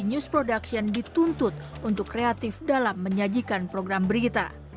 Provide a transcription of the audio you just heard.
dan news production dituntut untuk kreatif dalam menyajikan program berita